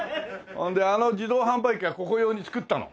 ほんであの自動販売機はここ用に作ったの？